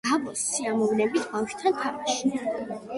გაბოს სიამოვნებდა ბავშვებთან თამაში